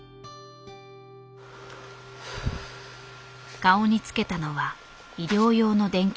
顔に着けたのは医療用の電極。